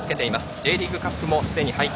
Ｊリーグカップもすでに敗退。